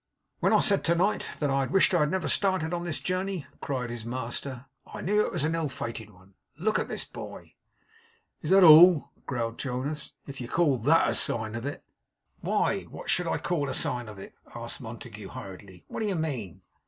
'When I said to night, that I wished I had never started on this journey,' cried his master, 'I knew it was an ill fated one. Look at this boy!' 'Is that all?' growled Jonas. 'If you call THAT a sign of it ' 'Why, what should I call a sign of it?' asked Montague, hurriedly. 'What do you mean?